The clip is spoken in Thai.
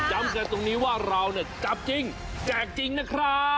จำกันตรงนี้ว่าเราเนี่ยจับจริงแจกจริงนะครับ